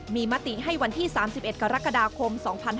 มีมติให้วันที่๓๑กรกฎาคม๒๕๖๒